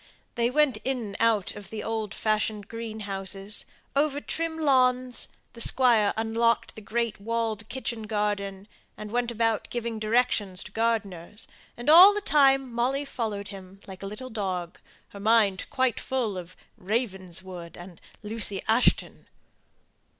They went in and out of old fashioned greenhouses, over trim lawns, the Squire unlocked the great walled kitchen garden, and went about giving directions to gardeners; and all the time Molly followed him like a little dog, her mind quite full of "Ravenswood" and "Lucy Ashton."